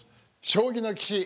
将棋の棋士